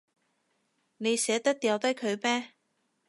你捨得掉低佢咩？